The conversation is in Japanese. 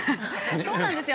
◆そうなんですよ。